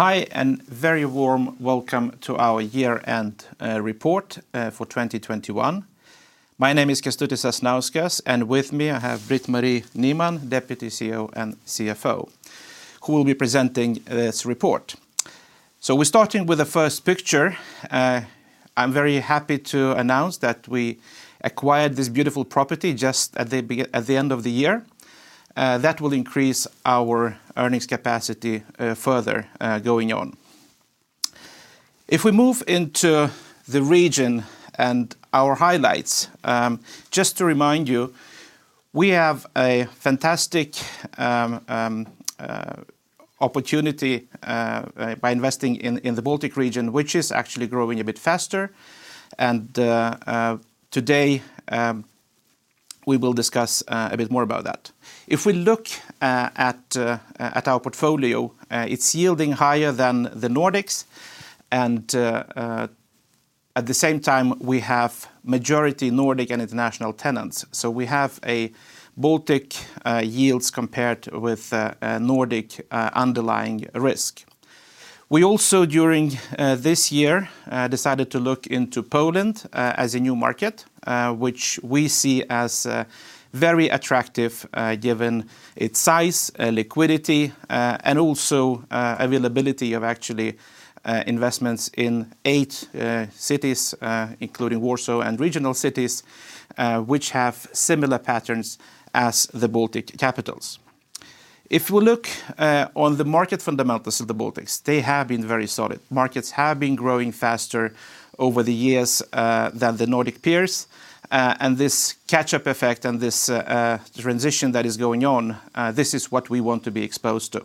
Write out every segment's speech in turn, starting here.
Hi, very warm welcome to our year-end report for 2021. My name is Kęstutis Sasnauskas, and with me I have Britt-Marie Nyman, Deputy CEO and CFO, who will be presenting this report. We're starting with the first picture. I'm very happy to announce that we acquired this beautiful property just at the end of the year. That will increase our earnings capacity further going on. If we move into the region and our highlights, just to remind you, we have a fantastic opportunity by investing in the Baltic region, which is actually growing a bit faster. Today we will discuss a bit more about that. If we look at our portfolio, it's yielding higher than the Nordics, and at the same time we have majority Nordic and international tenants. We have a Baltic yields compared with a Nordic underlying risk. We also during this year decided to look into Poland as a new market, which we see as very attractive given its size, liquidity, and also availability of actually investments in eight cities, including Warsaw and regional cities, which have similar patterns as the Baltic capitals. If we look on the market fundamentals of the Baltics, they have been very solid. Markets have been growing faster over the years than the Nordic peers. This catch-up effect and this transition that is going on, this is what we want to be exposed to.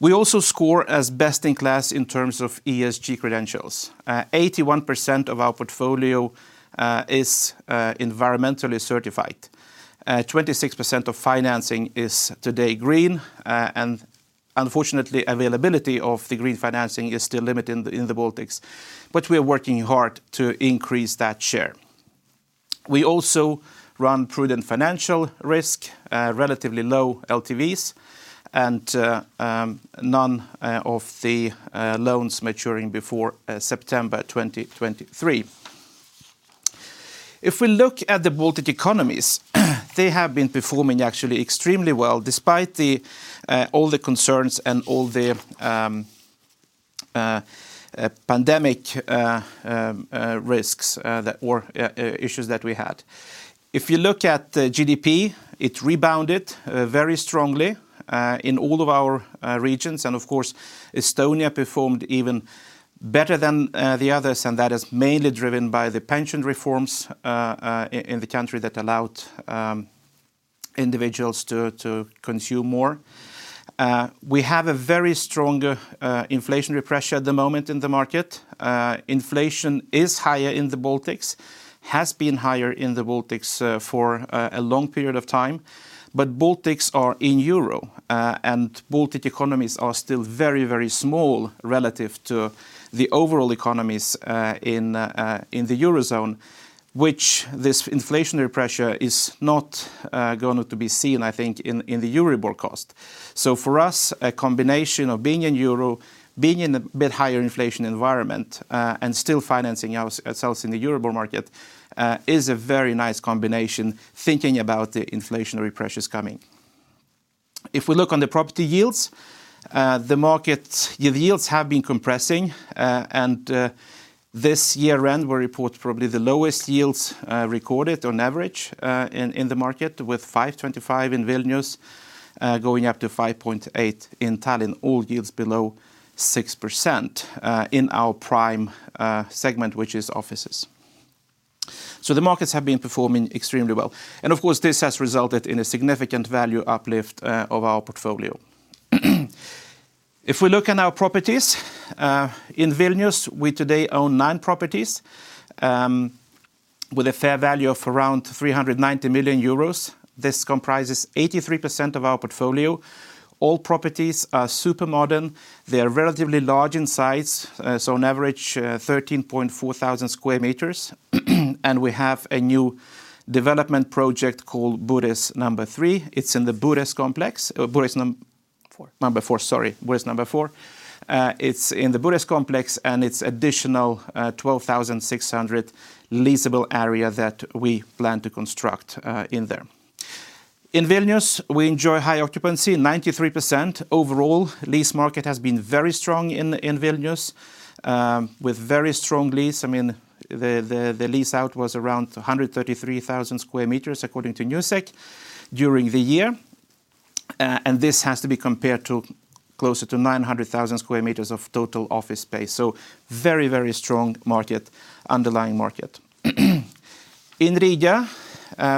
We also score as best in class in terms of ESG credentials. 81% of our portfolio is environmentally certified. 26% of financing is today green. Unfortunately, availability of the green financing is still limited in the Baltics, but we are working hard to increase that share. We also run prudent financial risk, relatively low LTVs, and none of the loans maturing before September 2023. If we look at the Baltic economies, they have been performing actually extremely well despite all the concerns and all the pandemic risks or issues that we had. If you look at the GDP, it rebounded very strongly in all of our regions. Of course, Estonia performed even better than the others, and that is mainly driven by the pension reforms in the country that allowed individuals to consume more. We have a very strong inflationary pressure at the moment in the market. Inflation is higher in the Baltics, has been higher in the Baltics for a long period of time. Baltics are in the euro, and Baltic economies are still very, very small relative to the overall economies in the Eurozone, which this inflationary pressure is not going to be seen, I think, in the Euribor cost. For us, a combination of being in Euro, being in a bit higher inflation environment, and still financing ourselves in the eurobond market, is a very nice combination thinking about the inflationary pressures coming. If we look on the property yields, the yields have been compressing. And this year end, we report probably the lowest yields recorded on average in the market with 5.25 in Vilnius, going up to 5.8 in Tallinn. All yields below 6% in our prime segment, which is offices. The markets have been performing extremely well. And of course, this has resulted in a significant value uplift of our portfolio. If we look at our properties in Vilnius, we today own nine properties with a fair value of around 390 million euros. This comprises 83% of our portfolio. All properties are super modern. They are relatively large in size, so on average, 13,400 sq m. We have a new development project called Burės number three. It's in the Burės complex. Four Burės number four. It's in the Burės complex, and it's additional 12,600 leasable area that we plan to construct in there. In Vilnius, we enjoy high occupancy, 93%. Overall, lease market has been very strong in Vilnius with very strong lease. I mean, the lease out was around 133,000 sq m according to Newsec during the year. This has to be compared to closer to 900,000 sq m of total office space. Very strong underlying market. In Riga,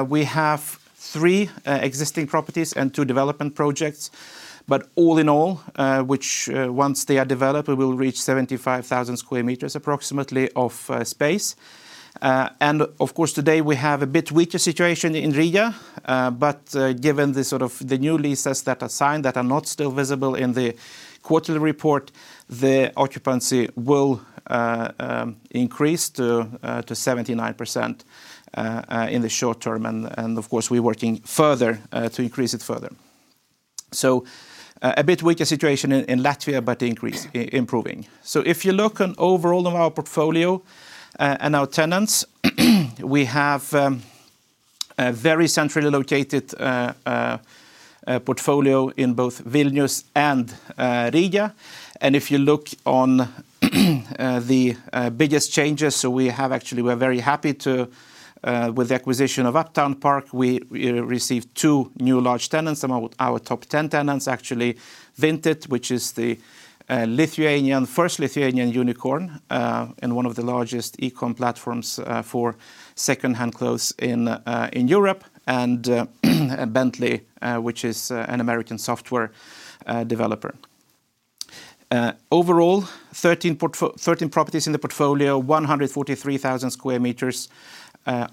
we have three existing properties and two development projects. All in all, once they are developed, we will reach approximately 75,000 sq m of space. Of course, today we have a bit weaker situation in Riga. Given some of the new leases that are signed that are not yet visible in the quarterly report, the occupancy will increase to 79% in the short term. Of course, we're working further to increase it further. A bit weaker situation in Latvia, but the increase is improving. If you look overall at our portfolio and our tenants, we have a very centrally located portfolio in both Vilnius and Riga. If you look at the biggest changes, we're very happy with the acquisition of Uptown Park. We received two new large tenants, some of our top 10 tenants actually. Vinted, which is the Lithuanian first Lithuanian unicorn and one of the largest e-com platforms for second-hand clothes in Europe, and Bentley, which is an American software developer. Overall, 13 properties in the portfolio, 143,000 sq m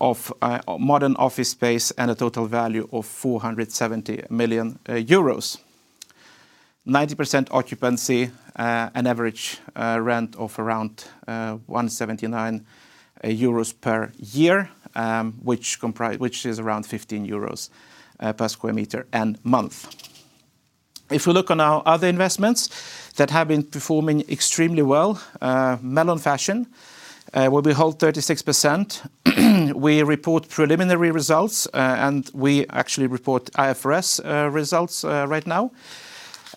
of modern office space, and a total value of 470 million euros. 90% occupancy, an average rent of around 179 euros per year, which is around 15 euros per sq m and month. If we look on our other investments that have been performing extremely well, Melon Fashion, where we hold 36%, we report preliminary results, and we actually report IFRS results right now.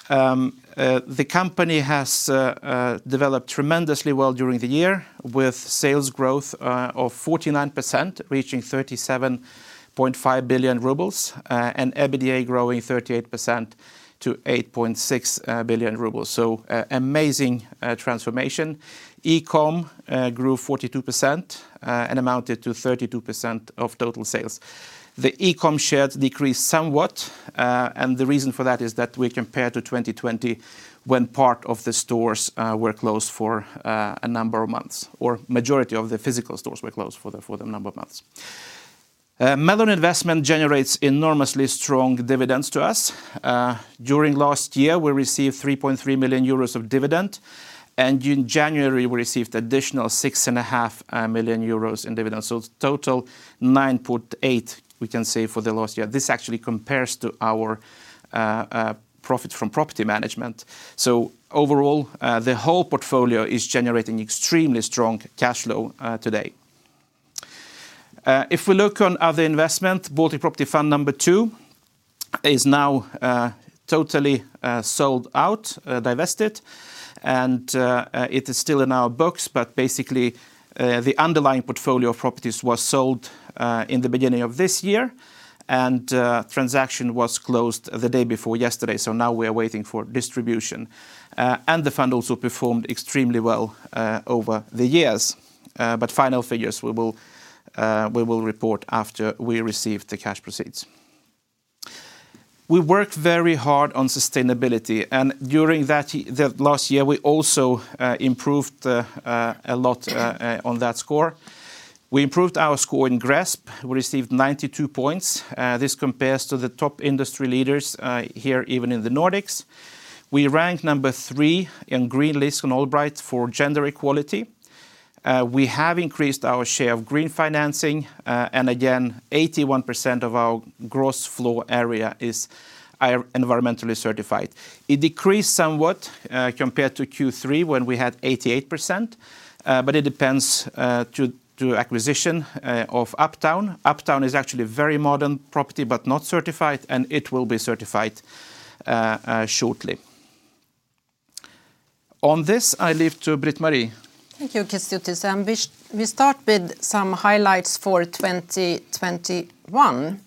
The company has developed tremendously well during the year with sales growth of 49%, reaching 37.5 billion rubles, and EBITDA growing 38% to 8.6 billion rubles. Amazing transformation. E-com grew 42% and amounted to 32% of total sales. The e-com shares decreased somewhat, and the reason for that is that we compare to 2020 when part of the stores were closed for a number of months, or the majority of the physical stores were closed for the number of months. Melon investment generates enormously strong dividends to us. During last year, we received 3.3 million euros of dividend, and in January, we received additional 6.5 million euros in dividends. Total 9.8 million, we can say, for the last year. This actually compares to our profit from property management. Overall, the whole portfolio is generating extremely strong cash flow today. If we look on other investment, Burės property number two is now totally sold out, divested. It is still in our books, but basically, the underlying portfolio of properties was sold in the beginning of this year, transaction was closed the day before yesterday. Now we are waiting for distribution. The fund also performed extremely well over the years. Final figures we will report after we receive the cash proceeds. We worked very hard on sustainability, and during that last year, we also improved a lot on that score. We improved our score in GRESB. We received 92 points. This compares to the top industry leaders here, even in the Nordics. We ranked number three in Green List and Allbright for gender equality. We have increased our share of green financing. Again, 81% of our gross floor area is environmentally certified. It decreased somewhat compared to Q3 when we had 88%, but due to the acquisition of Uptown. Uptown is actually a very modern property, but not certified, and it will be certified shortly. On this, I leave to Britt-Marie. Thank you, Kęstutis. We start with some highlights for 2021.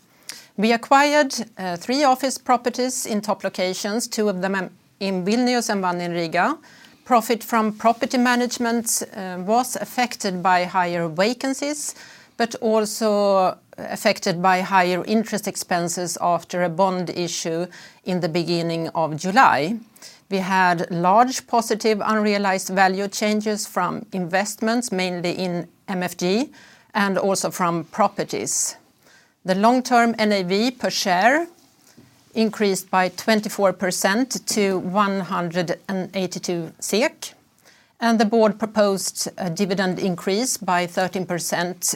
We acquired three office properties in top locations, two of them in Vilnius and one in Riga. Profit from property management was affected by higher vacancies, but also affected by higher interest expenses after a bond issue in the beginning of July. We had large positive unrealized value changes from investments, mainly in MFG, and also from properties. The long-term NAV per share increased by 24% to 182 SEK, and the board proposed a dividend increase by 13%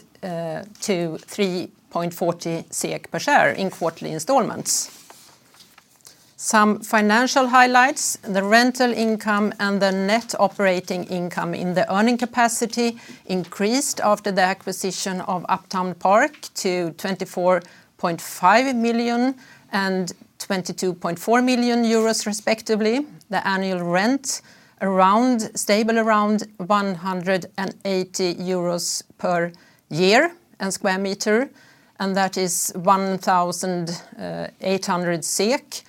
to 3.40 SEK per share in quarterly installments. Some financial highlights, the rental income and the net operating income in the earning capacity increased after the acquisition of Uptown Park to 24.5 million and 22.4 million euros respectively. The annual rent stable around 180 euros per year and square meter, and that is SEK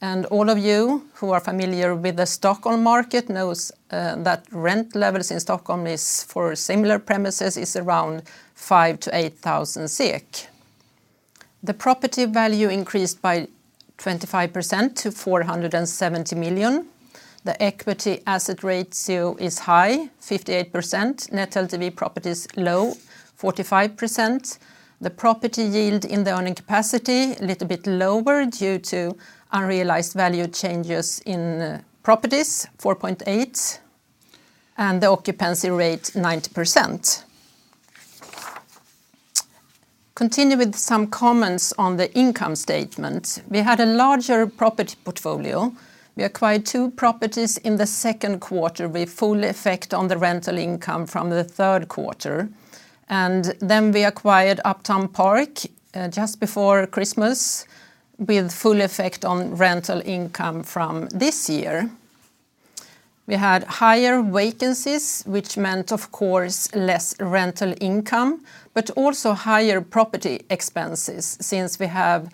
1,800. All of you who are familiar with the Stockholm market know that rent levels in Stockholm for similar premises around 5,000-8,000 SEK. The property value increased by 25% to 470 million. The equity asset ratio is high, 58%. Net LTV low, 45%. The property yield in the earning capacity a little bit lower due to unrealized value changes in properties, 4.8%, and the occupancy rate, 90%. Continue with some comments on the income statement. We had a larger property portfolio. We acquired two properties in the second quarter with full effect on the rental income from the third quarter. We acquired Uptown Park just before Christmas with full effect on rental income from this year. We had higher vacancies, which meant, of course, less rental income, but also higher property expenses since we have,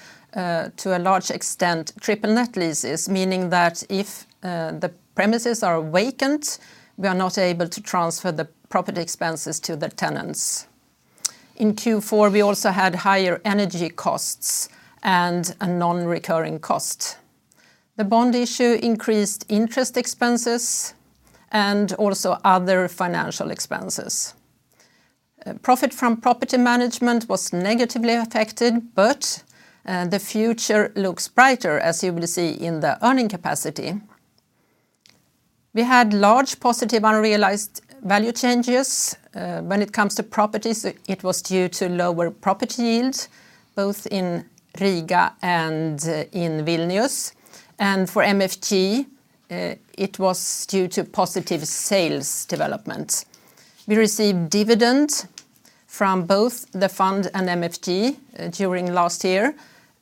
to a large extent, triple net leases, meaning that if the premises are vacant, we are not able to transfer the property expenses to the tenants. In Q4, we also had higher energy costs and a non-recurring cost. The bond issue increased interest expenses and also other financial expenses. Profit from property management was negatively affected, but the future looks brighter, as you will see in the earning capacity. We had large positive unrealized value changes. When it comes to properties, it was due to lower property yields both in Riga and in Vilnius. For MFG, it was due to positive sales development. We received dividends from both the fund and MFG during last year,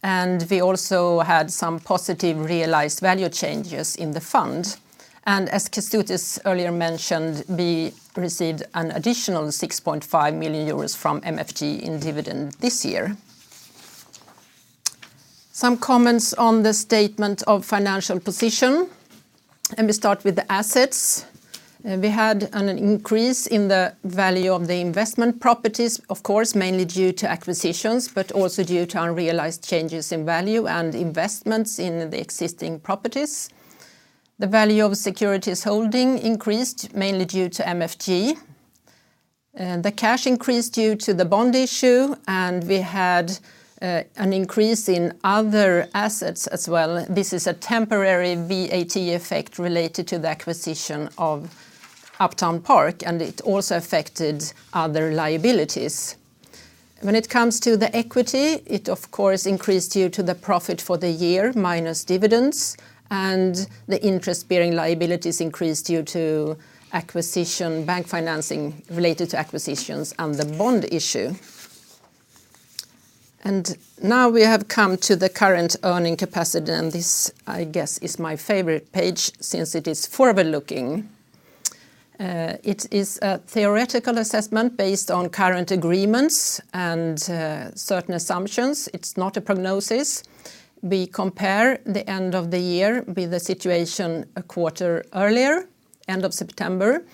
and we also had some positive realized value changes in the fund. As Kęstutis earlier mentioned, we received an additional 6.5 million euros from MFG in dividend this year. Some comments on the statement of financial position, let me start with the assets. We had an increase in the value of the investment properties, of course, mainly due to acquisitions, but also due to unrealized changes in value and investments in the existing properties. The value of securities holding increased mainly due to MFG. The cash increased due to the bond issue, and we had an increase in other assets as well. This is a temporary VAT effect related to the acquisition of Uptown Park, and it also affected other liabilities. When it comes to the equity, it of course increased due to the profit for the year minus dividends, and the interest-bearing liabilities increased due to acquisition bank financing related to acquisitions and the bond issue. Now we have come to the current earning capacity, and this, I guess, is my favorite page since it is forward-looking. It is a theoretical assessment based on current agreements and certain assumptions. It's not a prognosis. We compare the end of the year with the situation a quarter earlier, end of September.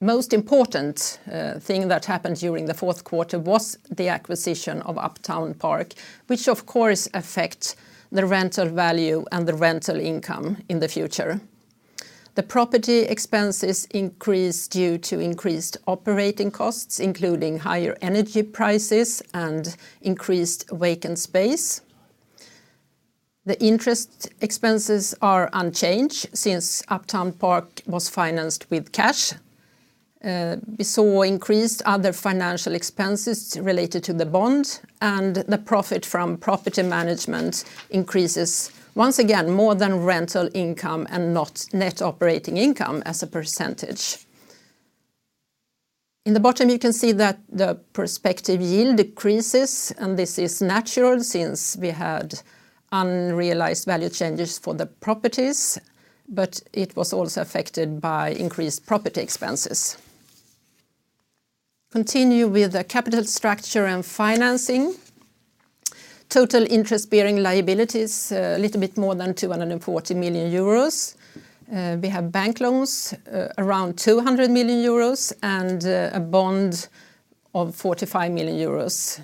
The most important thing that happened during the fourth quarter was the acquisition of Uptown Park, which of course affect the rental value and the rental income in the future. The property expenses increased due to increased operating costs, including higher energy prices and increased vacant space. The interest expenses are unchanged since Uptown Park was financed with cash. We saw increased other financial expenses related to the bond, and the profit from property management increases once again more than rental income and not net operating income as a percentage. In the bottom, you can see that the prospective yield decreases, and this is natural since we had unrealized value changes for the properties, but it was also affected by increased property expenses. Continue with the capital structure and financing. Total interest-bearing liabilities a little bit more than 240 million euros. We have bank loans around 200 million euros and a bond of 45 million euros.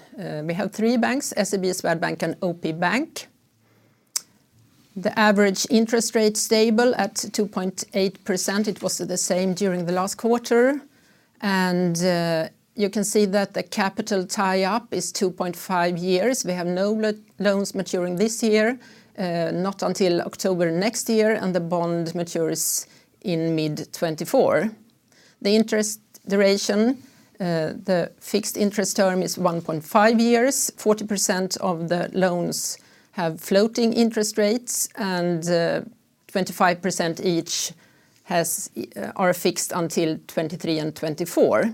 We have three banks, SEB, Swedbank, and OP Bank. The average interest rate stable at 2.8%. It was the same during the last quarter. You can see that the capital tie-up is two point five years. We have no loans maturing this year, not until October next year, and the bond matures in mid-2024. The interest duration, the fixed interest term is one point five years. 40% of the loans have floating interest rates, and 25% each are fixed until 2023 and 2024.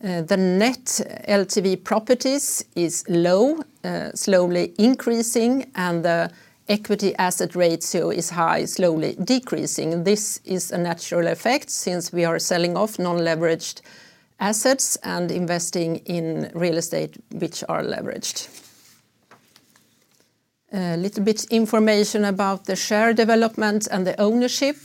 The net LTV properties is low, slowly increasing, and the equity/asset ratio is high, slowly decreasing. This is a natural effect since we are selling off non-leveraged assets and investing in real estate which are leveraged. A little bit information about the share development and the ownership.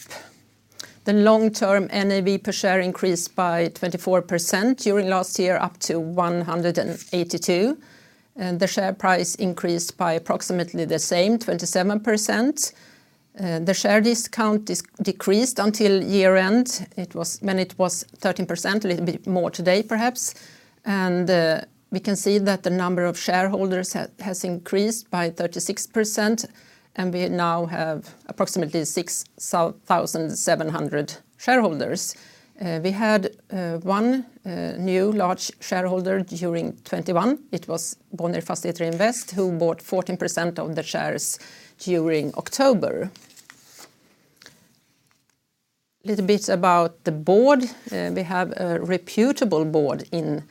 The long-term NAV per share increased by 24% during last year up to 182, and the share price increased by approximately the same, 27%. The share discount is decreased until year end. It was 13%, a little bit more today perhaps. We can see that the number of shareholders has increased by 36% and we now have approximately 6,700 shareholders. We had one new large shareholder during 2021. It was Bonnier Fastigheter Invest who bought 14% of the shares during October. A little bit about the board. We have a reputable board in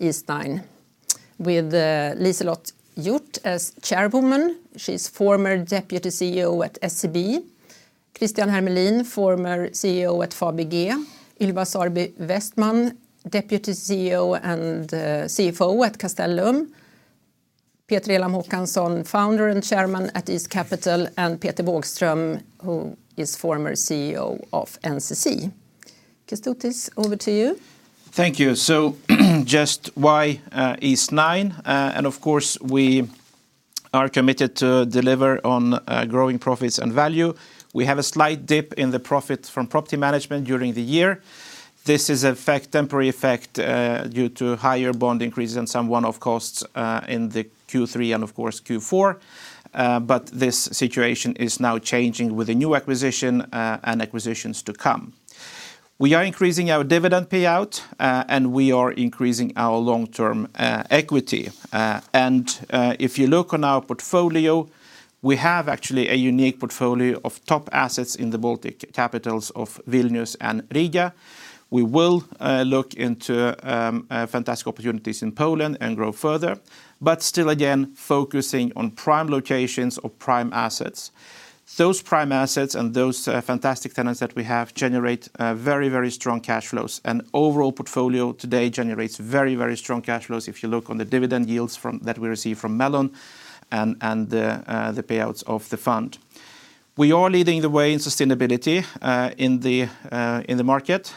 Eastnine with Liselotte Hjorth as Chairwoman. She's former Deputy CEO at SEB. Christian Hermelin, former CEO at Fabege. Ylva Sarby Westman, Deputy CEO and CFO at Castellum. Peter Elam Håkansson, Founder and Chairman at East Capital, and Peter Wågström, who is former CEO of NCC. Kęstutis, over to you. Thank you. Just why Eastnine? Of course, we are committed to deliver on growing profits and value. We have a slight dip in the profit from property management during the year. This is effect, temporary effect due to higher bond increases and some one-off costs in the Q3 and of course Q4. This situation is now changing with the new acquisition and acquisitions to come. We are increasing our dividend payout and we are increasing our long-term equity. If you look on our portfolio, we have actually a unique portfolio of top assets in the Baltic capitals of Vilnius and Riga. We will look into fantastic opportunities in Poland and grow further, but still again, focusing on prime locations or prime assets. Those prime assets and those fantastic tenants that we have generate very, very strong cash flows. Overall portfolio today generates very, very strong cash flows if you look on the dividend yields from that we receive from Melon and the payouts of the fund. We are leading the way in sustainability in the market.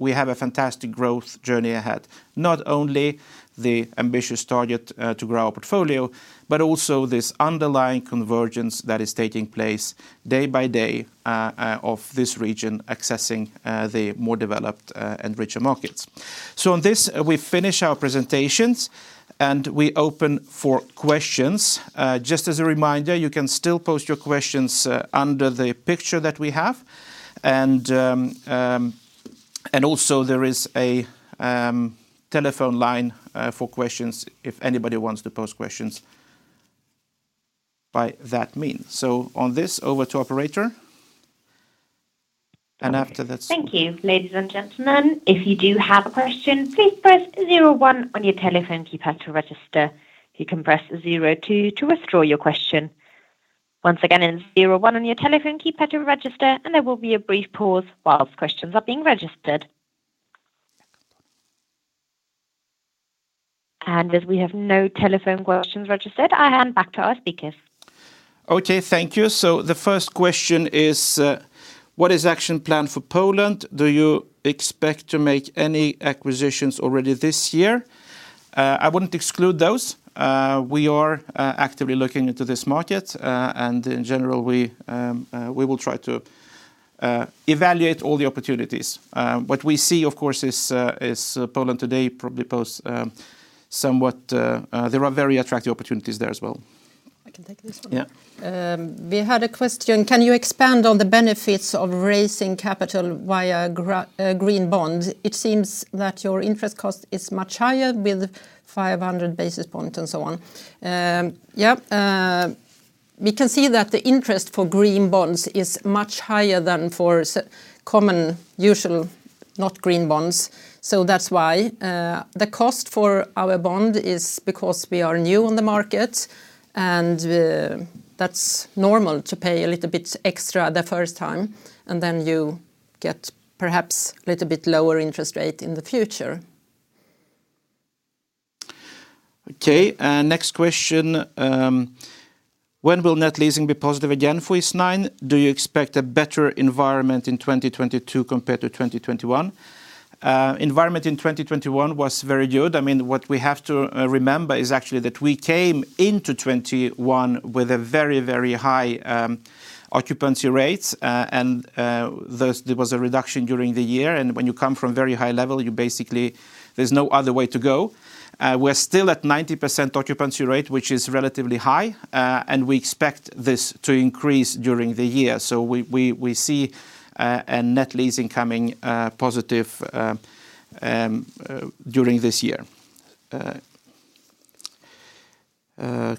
We have a fantastic growth journey ahead. Not only the ambitious target to grow our portfolio, but also this underlying convergence that is taking place day by day of this region accessing the more developed and richer markets. On this, we finish our presentations, and we open for questions. Just as a reminder, you can still post your questions under the picture that we have. Also there is a telephone line for questions if anybody wants to pose questions by that means. With that, over to operator. After that Thank you. Ladies and gentlemen, if you do have a question, please press zero one on your telephone keypad to register. You can press zero two to withdraw your question. Once again, it's zero one on your telephone keypad to register, and there will be a brief pause while questions are being registered. As we have no telephone questions registered, I hand back to our speakers. Okay, thank you. The first question is, what is the action plan for Poland? Do you expect to make any acquisitions already this year? I wouldn't exclude those. We are actively looking into this market. In general, we will try to evaluate all the opportunities. What we see, of course, is Poland today probably poses somewhat. There are very attractive opportunities there as well. I can take this one. Yeah. We had a question, can you expand on the benefits of raising capital via green bond? It seems that your interest cost is much higher with 500 basis point and so on. Yeah. We can see that the interest for green bonds is much higher than for common, usual, not green bonds. That's why the cost for our bond is because we are new on the market, and that's normal to pay a little bit extra the first time, and then you get perhaps a little bit lower interest rate in the future. When will net leasing be positive again for Eastnine? Do you expect a better environment in 2022 compared to 2021? Environment in 2021 was very good. I mean, what we have to remember is actually that we came into 2021 with a very, very high occupancy rate. There was a reduction during the year, and when you come from very high level, there's no other way to go. We're still at 90% occupancy rate, which is relatively high. We expect this to increase during the year. We see a net leasing coming positive during this year.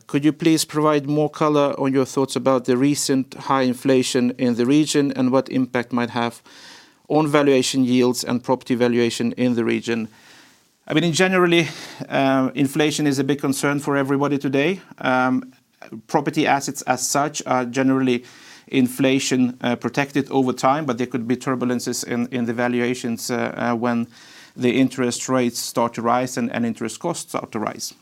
Could you please provide more color on your thoughts about the recent high inflation in the region and what impact might have on valuation yields and property valuation in the region? I mean, in general, inflation is a big concern for everybody today. Property assets as such are generally inflation protected over time, but there could be turbulences in the valuations when the interest rates start to rise and interest costs start to rise.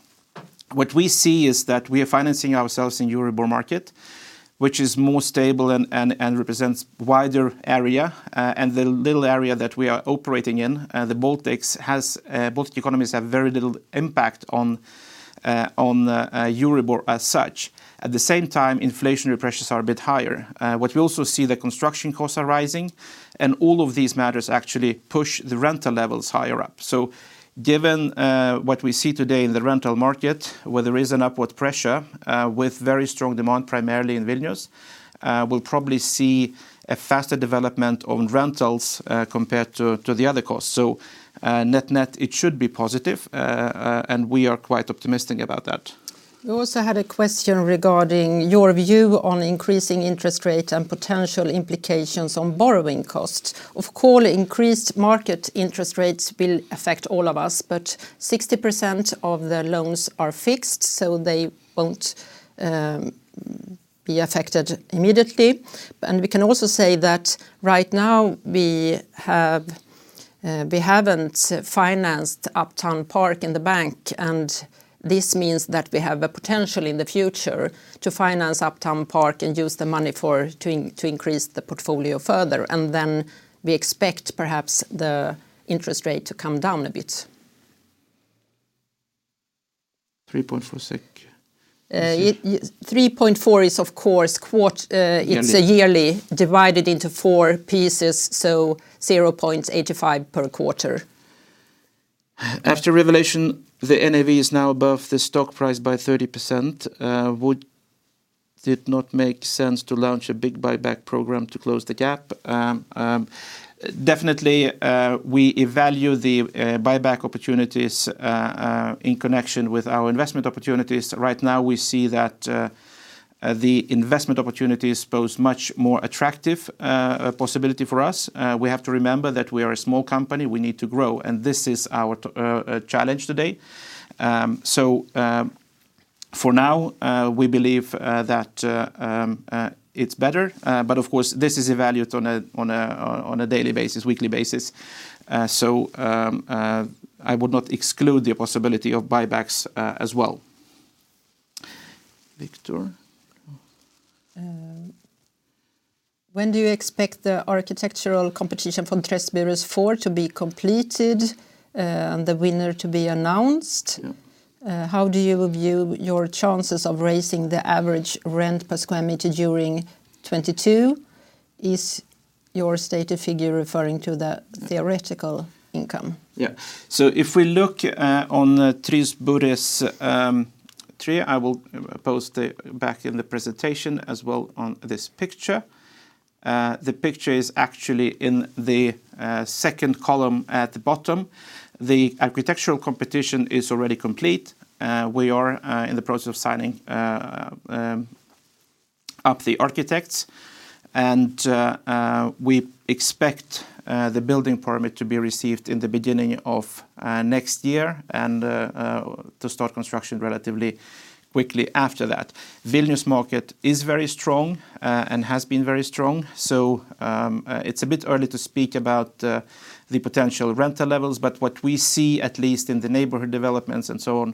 What we see is that we are financing ourselves in Euribor market, which is more stable and represents wider area. And the Baltic area that we are operating in, the Baltics, both economies have very little impact on the Euribor as such. At the same time, inflationary pressures are a bit higher. What we also see, the construction costs are rising, and all of these matters actually push the rental levels higher up. Given what we see today in the rental market, where there is an upward pressure with very strong demand, primarily in Vilnius, we'll probably see a faster development on rentals compared to the other costs. Net it should be positive, and we are quite optimistic about that. We also had a question regarding your view on increasing interest rate and potential implications on borrowing costs. Of course, increased market interest rates will affect all of us, but 60% of the loans are fixed, so they won't be affected immediately. We can also say that right now we have, we haven't financed Uptown Park in the bank, and this means that we have a potential in the future to finance Uptown Park and use the money to increase the portfolio further, and then we expect perhaps the interest rate to come down a bit. 3.4. 3.4 is, of course, quart. Yearly It's a yearly dividend divided into four pieces, so 0.85 per quarter. After revaluation, the NAV is now above the stock price by 30%. Would it not make sense to launch a big buyback program to close the gap? Definitely, we evaluate the buyback opportunities in connection with our investment opportunities. Right now, we see that the investment opportunities pose much more attractive possibility for us. We have to remember that we are a small company. We need to grow, and this is our challenge today. For now, we believe that it's better, but of course this is evaluated on a daily basis, weekly basis. I would not exclude the possibility of buybacks as well. Victor? When do you expect the architectural competition from Burės four to be completed, and the winner to be announced? Yeah. How do you view your chances of raising the average rent per square meter during 2022? Is your stated figure referring to the theoretical income? Yeah. If we look on Burės three, I will point it out back in the presentation as well on this picture. The picture is actually in the second column at the bottom. The architectural competition is already complete. We are in the process of signing up the architects. We expect the building permit to be received in the beginning of next year, and to start construction relatively quickly after that. Vilnius market is very strong and has been very strong, so it's a bit early to speak about the potential rental levels. What we see, at least in the neighborhood developments and so on,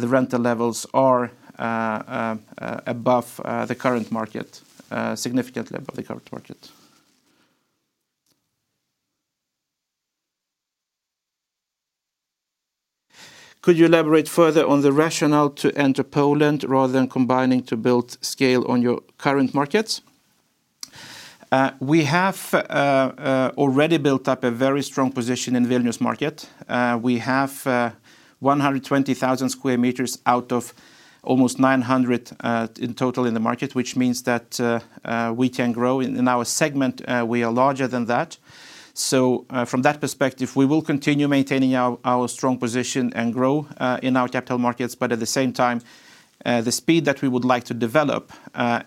the rental levels are above the current market, significantly above the current market. Could you elaborate further on the rationale to enter Poland rather than combining to build scale on your current markets? We have already built up a very strong position in Vilnius market. We have 120,000 sq m out of almost 900 in total in the market, which means that we can grow. In our segment, we are larger than that. From that perspective, we will continue maintaining our strong position and grow in our capital markets. At the same time, the speed that we would like to develop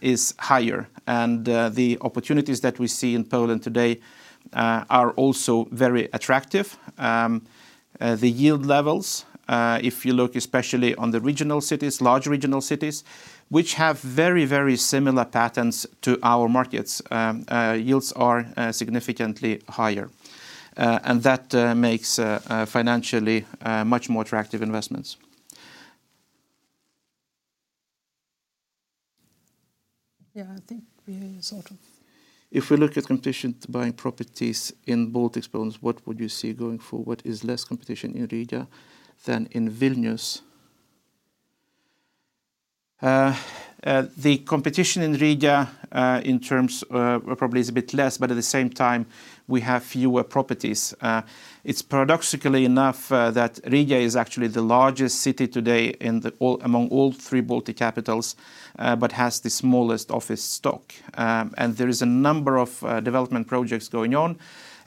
is higher. The opportunities that we see in Poland today are also very attractive. The yield levels, if you look especially on the regional cities, large regional cities, which have very, very similar patterns to our markets, yields are significantly higher. That makes financially much more attractive investments. Yeah, I think we heard sort of. If we look at competition to buying properties in both these buildings, what would you see going forward? What is less competition in Riga than in Vilnius? The competition in Riga or probably is a bit less, but at the same time we have fewer properties. It's paradoxically enough that Riga is actually the largest city today among all three Baltic capitals, but has the smallest office stock. There is a number of development projects going on,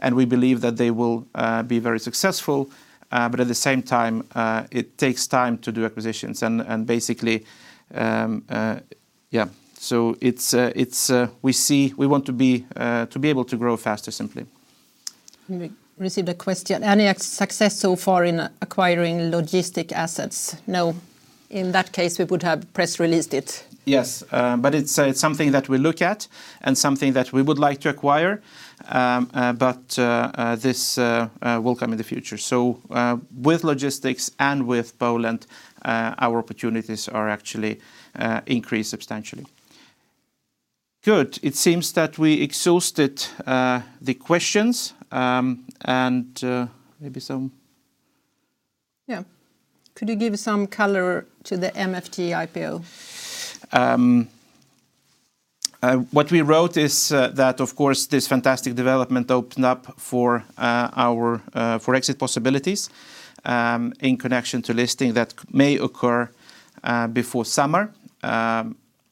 and we believe that they will be very successful. But at the same time, it takes time to do acquisitions. We want to be able to grow faster simply. We received a question. Any success so far in acquiring logistics assets? No. In that case, we would have press released it. Yes. It's something that we look at and something that we would like to acquire. This will come in the future. With logistics and with Poland, our opportunities are actually increased substantially. Good. It seems that we exhausted the questions and maybe some. Yeah. Could you give some color to the MFG IPO? What we wrote is that, of course, this fantastic development opened up for our exit possibilities in connection to listing that may occur before summer.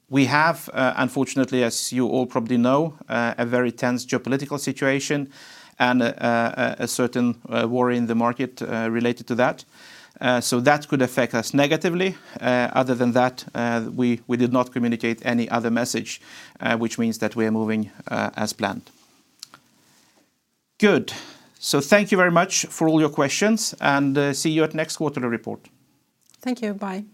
We have, unfortunately, as you all probably know, a very tense geopolitical situation and a certain war in the market related to that. Other than that, we did not communicate any other message, which means that we are moving as planned. Good. Thank you very much for all your questions, and see you at next quarterly report. Thank you. Bye.